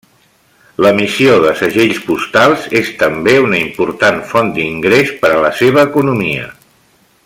L'emissió de segells postals és també una important font d'ingrés per a la seva economia.